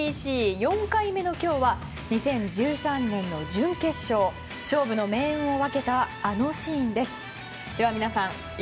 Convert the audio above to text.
４回目の今日は２０１３年の準決勝勝負の命運を分けたあのシーンです。